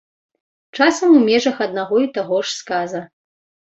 Часам у межах аднаго і таго ж сказа.